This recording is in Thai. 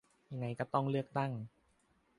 ยังไงก็ต้องเลือกตั้ง